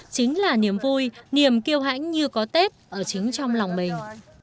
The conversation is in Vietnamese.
chính là niềm vui niềm kêu hãnh như có tết ở chính trong lòng mình